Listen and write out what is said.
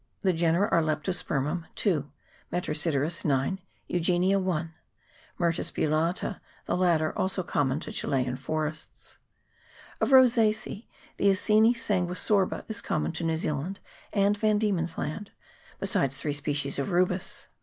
The genera are Leptospermum (2), Metrosideros (9), Eugenia (1), Myrtus bullata, the latter also common to Chilian forests. Of Rosace a, the Acoena sanguisorba is common to New Zealand and Van Diemen's Land, besides three species of Rubus.